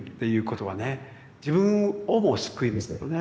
自分をも救いますよね。